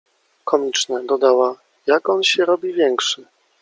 — Komiczne — dodała —jak on się robi większy.